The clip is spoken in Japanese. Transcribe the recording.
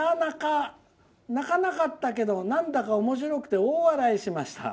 泣かなかったけどなんだかおもしろくて大笑いしました。